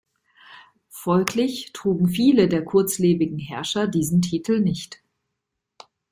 Folglich trugen viele der kurzlebigen Herrscher diesen Titel nicht.